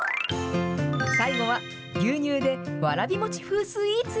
最後は牛乳でわらび餅風スイーツ。